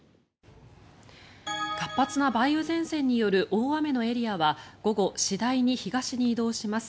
活発な梅雨前線による大雨のエリアは午後、次第に東に移動します。